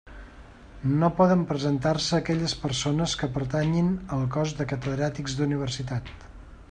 No poden presentar-se aquelles persones que pertanyin al cos de Catedràtics d'Universitat.